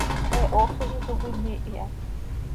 He hooxi zo toc cöimiih iha.